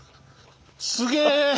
すげえ！